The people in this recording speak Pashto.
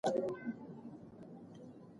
که موږ پوهه ولرو نو فضا به تسخیر کړو.